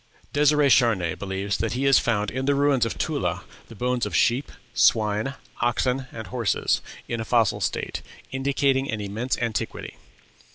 Dêsirè Charnay believes that he has found in the ruins of Tula the bones of swine, sheep, oxen, and horses, in a fossil state, indicating an immense antiquity.